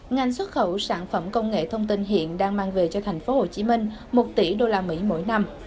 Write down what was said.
ngành xuất khẩu sản phẩm công nghệ thông tin hiện đang mang về cho thành phố hồ chí minh một tỷ usd mỗi năm